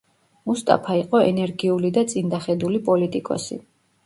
მუსტაფა იყო ენერგიული და წინდახედული პოლიტიკოსი.